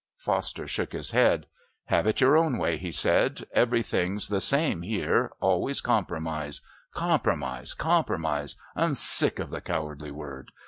Foster shook his head. "Have it your own way," he said. "Everything's the same here always compromise. Compromise! Compromise! I'm sick of the cowardly word.